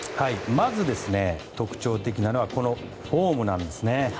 まず、特徴的なのはこのフォームなんですね。